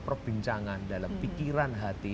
perbincangan dalam pikiran hati